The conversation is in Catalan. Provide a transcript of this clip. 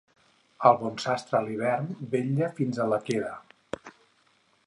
El bon sastre, a l'hivern, vetlla fins a la queda.